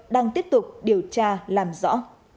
đang tiếp tục điều tra làm rõ